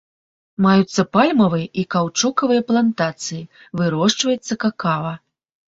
Маюцца пальмавыя і каўчукавыя плантацыі, вырошчваецца какава.